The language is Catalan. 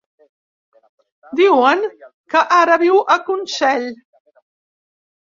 Diuen que ara viu a Consell.